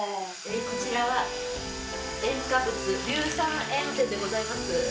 こちらは塩化物・硫酸塩泉でございます。